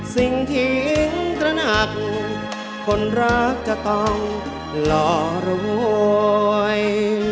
สิ่งที่ตระหนักคนรักจะต้องหล่อรวย